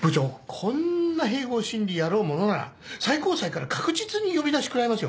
こんな併合審理やろうものなら最高裁から確実に呼び出し食らいますよ。